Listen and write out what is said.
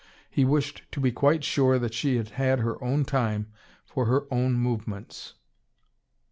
He wished to be quite sure that she had had her own time for her own movements.